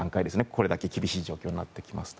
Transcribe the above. これだけ厳しい状況になってくると。